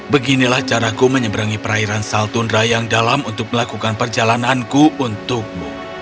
beginilah caraku menyeberangi perairan saltundra yang dalam untuk melakukan perjalananku untukmu